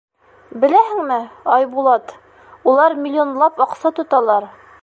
— Беләһеңме, Айбулат, улар миллионлап аҡса тоталар.